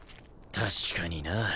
確かにな。